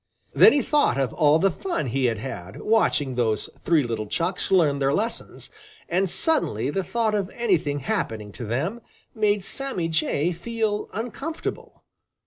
Then he thought of all the fun he had had watching those three little Chucks learn their lessons, and suddenly the thought of anything happening to them made Sammy Jay feel uncomfortable.